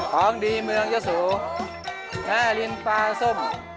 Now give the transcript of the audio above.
ของดีเมืองเยอะสว์แน่ลิ้นปลาส้ม